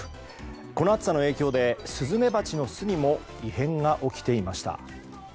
この暑さの影響でスズメバチの巣にも異変が起きていました。